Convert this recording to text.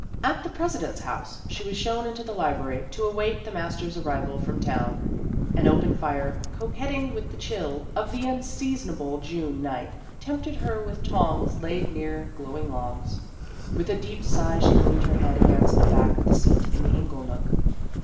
At the president's house, she was shown into the library to await the mas ter's arrival from town. An open fire, coquetting with the chill of the unseason 236 Vassar Studies able June night, tempted her with tongs laid near glowing logs. With a deep sigh she leaned her head against the back of the seat in the ingle nook.